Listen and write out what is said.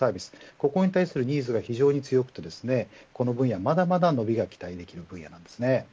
ここに対するニーズが非常に強くてこの分野、まだまだ伸びが期待できる分野です。